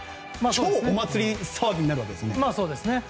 超お祭り騒ぎになるわけですね。